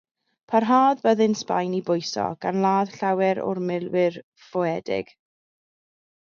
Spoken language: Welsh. Parhaodd byddin Sbaen i bwyso, gan ladd llawer o'r milwyr ffoëdig.